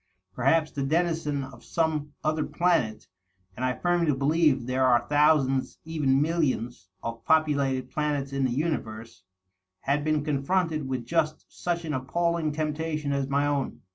Perhaps the denizen of some other planet — and I firmly believe there are thousands, even millionS| DOUGLAS DUANE. 595 of populated planets in the universe — ^had been confronted with just such an appalling temptation as my own.